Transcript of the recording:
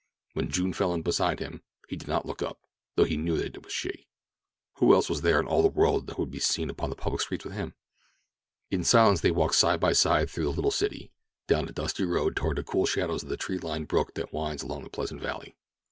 When June fell in beside him, he did not look up, though he knew that it was she—who else was there in all the world who would be seen upon the public streets with him? In silence they walked side by side through the little city, down the dusty road toward the cool shadows of the tree bowered brook that winds along that pleasant valley.